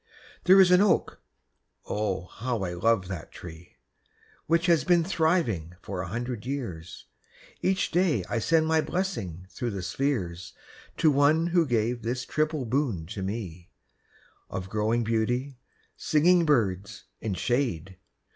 There is an oak (oh! how I love that tree) Which has been thriving for a hundred years; Each day I send my blessing through the spheres To one who gave this triple boon to me, Of growing beauty, singing birds, and shade.